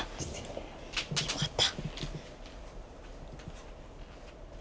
よかった。